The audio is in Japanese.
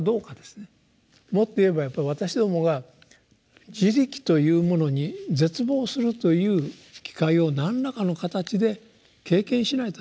もっと言えばやっぱり私どもが「自力」というものに絶望するという機会を何らかの形で経験しないとだめですね。